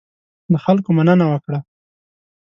له خلکو مننه وکړه.